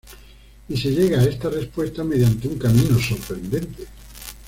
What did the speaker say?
Y se llega a esta respuesta mediante un camino sorprendente.